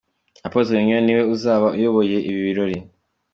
Apotre Mignonne ni we uzaba uyoboye ibi birori.